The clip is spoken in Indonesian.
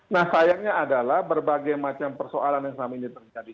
nah sayangnya adalah berbagai macam persoalan yang selama ini terjadi